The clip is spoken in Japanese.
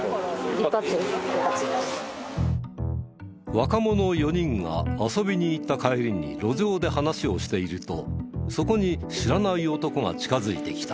若者４人が遊びに行った帰りに路上で話しをしているとそこに知らない男が近づいてきた。